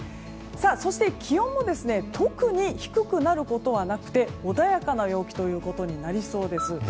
そして、気温も特に低くなることはなくて穏やかな陽気となりそうです。